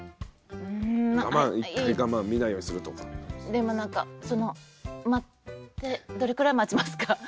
でもなんかその待ってどれくらい待ちますか？